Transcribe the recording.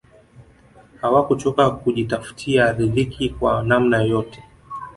hawakuchoka kujitafutia ridhiki kwa namna yoyote